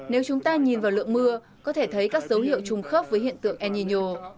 nếu chúng ta nhìn vào lượng mưa có thể thấy các dấu hiệu chung khớp với hiện tượng enyo